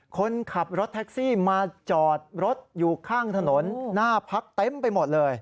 คนขับรถแท็กซี่มาจอดรถอยู่ข้างถนนหน้าพักเต็มไปหมดเลย